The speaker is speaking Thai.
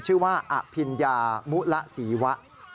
ชื่อว่าอภิญญามุละศรีวะ